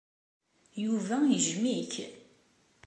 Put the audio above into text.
Yuba yejjem-ik.